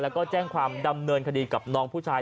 แล้วก็แจ้งความดำเนินคดีกับน้องผู้ชาย